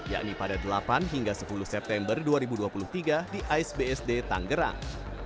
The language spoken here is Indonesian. yakni pada delapan hingga sepuluh september dua ribu dua puluh tiga di asbsd tanggerang